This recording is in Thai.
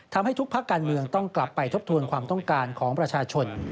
ทำให้ทุกภาคการเมืองต้องกลับไปทบทวนความต้องการของประชาชน